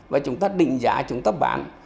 và chúng ta định giá chúng ta bán